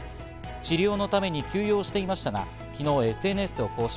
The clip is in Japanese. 治療のために休養していましたが、きのうＳＮＳを更新。